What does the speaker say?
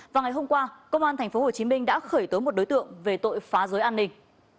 và ngày hôm qua công an tp hcm đã khởi tố một đối tượng về tội phá dối an ninh